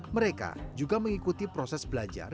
mereka juga mengikuti proses belajar